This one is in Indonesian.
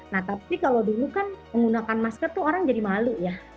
nah tapi kalau dulu kan menggunakan masker tuh orang jadi malu ya